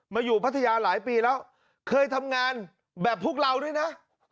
อยู่พัทยาหลายปีแล้วเคยทำงานแบบพวกเราด้วยนะ